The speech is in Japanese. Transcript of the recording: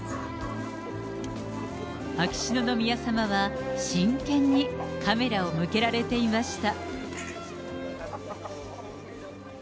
秋篠宮さまは真剣にカメラを向けられていました。